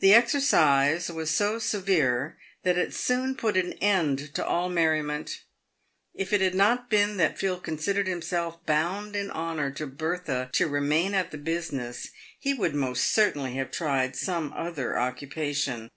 The exercise was so severe, that it soon put an end to all merriment. If it had not been that Phil considered himself bound in honour to Bertha to remain at the business, he would most certainly have tried some other occupation.